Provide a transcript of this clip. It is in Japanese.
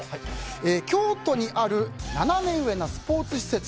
京都にあるナナメ上なスポーツ施設